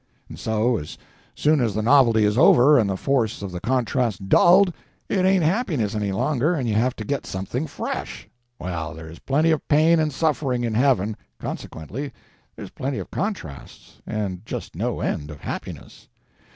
And so, as soon as the novelty is over and the force of the contrast dulled, it ain't happiness any longer, and you have to get something fresh. Well, there's plenty of pain and suffering in heaven—consequently there's plenty of contrasts, and just no end of happiness."